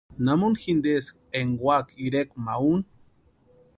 ¿Namuni jinteski énka úaka irekwa ma úni?